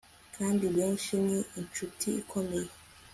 Kandi benshi ni inshuti ikomeye